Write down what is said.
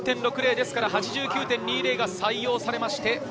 ですから８９．２０が採用されます。